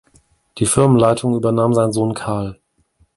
Die Firmenleitung übernahm sein Sohn Karl.